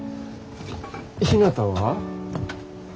ひなたは？